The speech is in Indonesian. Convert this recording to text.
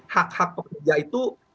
hak hak pekerja itu